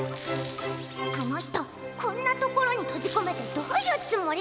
あのひとこんなところにとじこめてどういうつもりかしら！